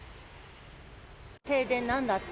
停電なんだって。